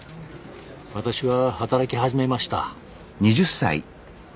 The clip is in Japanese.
私は働き始めました。